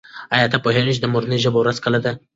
آیا ته پوهېږې چې د مورنۍ ژبې ورځ کله ده؟